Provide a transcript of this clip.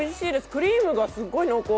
クリームがすっごい濃厚。